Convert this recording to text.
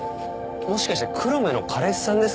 もしかして黒目の彼氏さんですか？